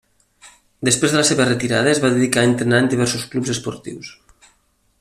Després de la seva retirada es va dedicar a entrenar en diversos clubs esportius.